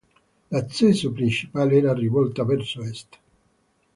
L'accesso principale era rivolta verso est.